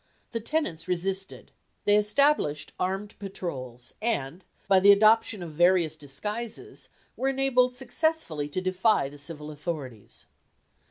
The tenants resisted. They established armed patrols, and, by the adoption of various disguises, were enabled successfully to defy the civil authorities.